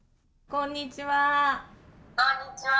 こんにちは。